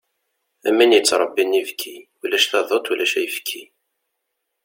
Am win yettrebbin ibki, ulac taduṭ ulac ayefki.